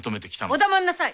お黙んなさい！